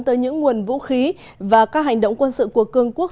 tới những nguồn vũ khí và các hành động quân sự của cương quốc